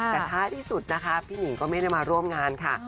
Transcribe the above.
แต่ท้ายที่สุดนะคะพี่หนิงก็ไม่ได้มาร่วมงานค่ะ